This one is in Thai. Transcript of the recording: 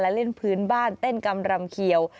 และเล่นพื้นบ้านเต้นกำรำเขียว